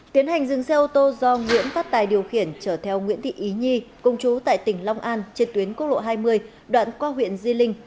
tiến hành dừng xe ô tô do nguyễn phát tài điều khiển trở theo nguyễn thị ý nhi công chú tại tỉnh long an trên tuyến quốc lộ hai mươi đoạn qua huyện di linh